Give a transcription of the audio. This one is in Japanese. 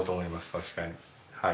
確かにはい。